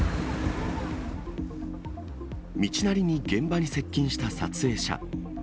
道なりに現場に接近した撮影者。